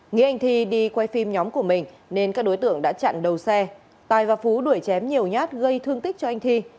nghĩ anh thi đi quay phim nhóm của mình nên các đối tượng đã chặn đầu xe tài và phú đuổi chém nhiều nhát gây thương tích cho anh thi